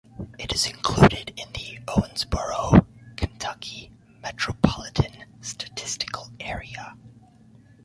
It is included in the Owensboro, Kentucky Metropolitan Statistical Area.